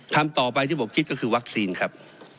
คำต่อไปที่ผมคิดก็คือวัคซีนครับ